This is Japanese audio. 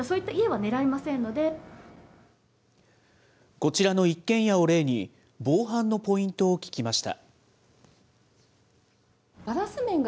こちらの一軒家を例に、防犯のポイントを聞きました。